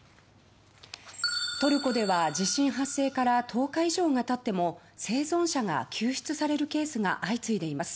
トルコでは地震発生から１０日以上が経っても生存者が救出されるケースが相次いでいます。